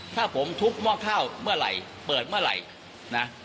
ถ้าผมทุบหม้อข้าวเมื่อไหร่เปิดเมื่อไหร่นะ